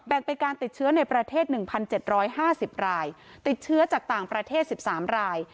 เป็นการติดเชื้อในประเทศ๑๗๕๐รายติดเชื้อจากต่างประเทศ๑๓ราย